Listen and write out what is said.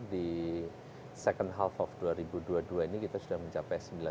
di second half of dua ribu dua puluh dua ini kita sudah mencapai rp sembilan triliun